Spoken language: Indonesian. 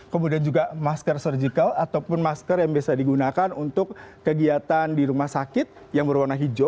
kemudian juga masker surgical ataupun masker yang bisa digunakan untuk kegiatan di rumah sakit yang berwarna hijau